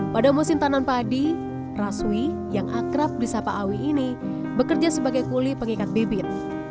pada musim tanan padi rasui yang akrab di sapaawi ini bekerja sebagai kulih pengikat bibit